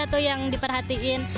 atau yang diperhatikan